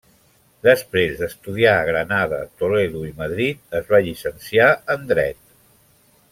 Després d'estudiar a Granada Toledo i Madrid es va llicenciar en Dret.